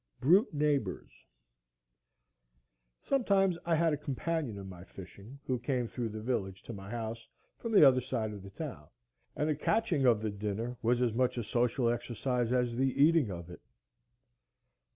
Brute Neighbors Sometimes I had a companion in my fishing, who came through the village to my house from the other side of the town, and the catching of the dinner was as much a social exercise as the eating of it.